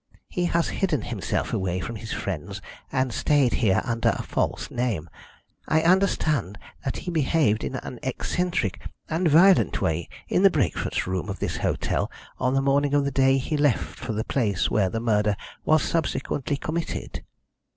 He has hidden himself away from his friends, and stayed here under a false name. I understand that he behaved in an eccentric and violent way in the breakfast room of this hotel on the morning of the day he left for the place where the murder was subsequently committed."